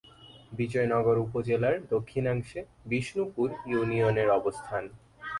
বিজয়নগর উপজেলার দক্ষিণাংশে বিষ্ণুপুর ইউনিয়নের অবস্থান।